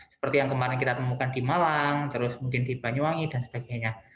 seperti yang kemarin kita temukan di malang terus mungkin di banyuwangi dan sebagainya